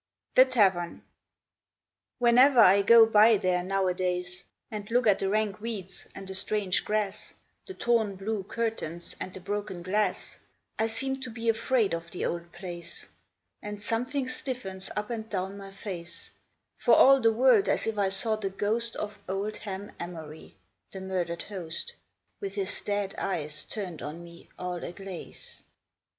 The Tavern Whenever I go by there nowadays And look at the rank weeds and the strange grass, The torn blue curtains and the broken glass, I seem to be afraid of the old place; And something stiffens up and down my face, For all the world as if I saw the ghost Of old Ham Amory, the murdered host, With his dead eyes turned on me all aglaze.